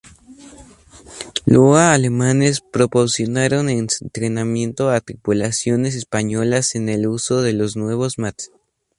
Loa alemanes proporcionaron entrenamiento a tripulaciones españolas en el uso de los nuevos materiales.